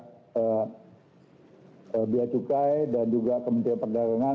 dan juga kementerian perdagangan serta juga bia cukai dan juga kementerian perdagangan